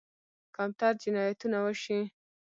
کمتر جنایتونه وشي.